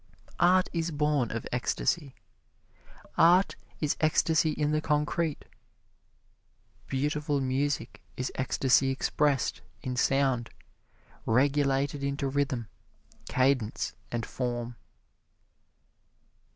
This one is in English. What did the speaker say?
Art is born of ecstasy art is ecstasy in the concrete. Beautiful music is ecstasy expressed in sound, regulated into rhythm, cadence and form.